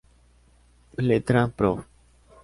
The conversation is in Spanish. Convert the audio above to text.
Letra: Prof.